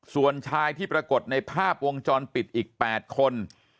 ส่วนชายที่ปรากฏในภาพวงจรปิดอีก๘คน